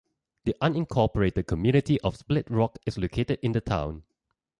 The unincorporated community of Split Rock is located in the town.